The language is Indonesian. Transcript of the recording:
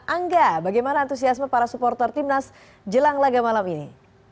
angga bagaimana antusiasme para supporter timnas jelang laga malam ini